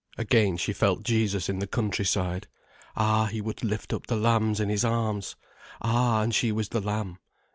Again she felt Jesus in the countryside. Ah, he would lift up the lambs in his arms! Ah, and she was the lamb.